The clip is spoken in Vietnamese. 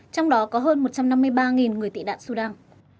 trong đó có hơn một trăm năm mươi ba người tị nạn sudan